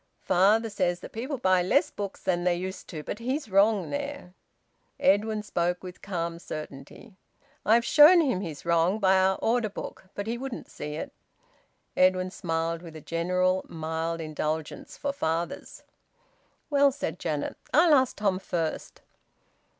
Father says that people buy less books than they used to but he's wrong there." Edwin spoke with calm certainty. "I've shown him he's wrong by our order book, but he wouldn't see it." Edwin smiled, with a general mild indulgence for fathers. "Well," said Janet, "I'll ask Tom first."